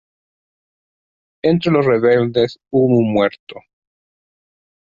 Entre los rebeldes hubo un muerto.